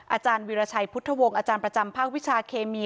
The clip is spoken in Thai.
อาจารย์วิราชัยพุทธวงศ์อาจารย์ประจำภาควิชาเคมี